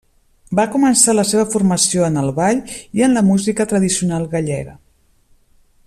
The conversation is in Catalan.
Va començar la seva formació en el ball i en la música tradicional gallega.